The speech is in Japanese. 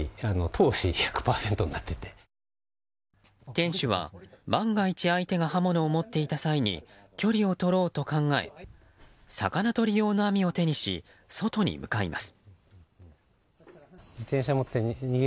店主は万が一、相手が刃物を持っていた際に距離を取ろうと考え魚とり用の網を手にし外に向かいます。